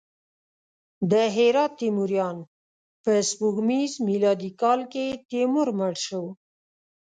د هرات تیموریان: په سپوږمیز میلادي کال کې تیمور مړ شو.